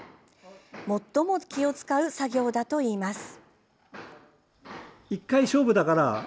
最も気を使う作業だといいます。